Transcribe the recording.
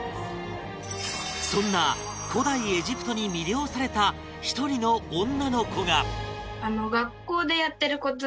そんな古代エジプトに魅了された一人の女の子が富澤：何！？